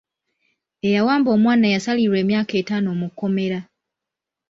Eyawamba omwana yasalirwa emyaka etaano mu kkomera.